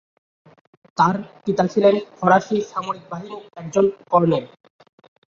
তাঁর পিতা ছিলেন ফরাসি সামরিক বাহিনীর একজন কর্নেল।